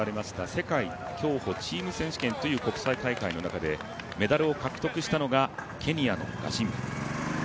世界競歩チーム選手権という国際大会の中でメダルを獲得したのがケニアのガシンバ。